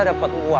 papa taro dulu ya